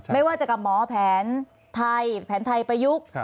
ไม่ว่าจะกับหมอแผนไทยแผนไทยประยุกต์